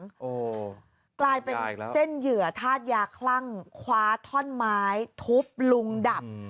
โอ้โหกลายเป็นเส้นเหยื่อธาตุยาคลั่งคว้าท่อนไม้ทุบลุงดับ